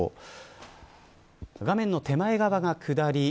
画面の手前側が下り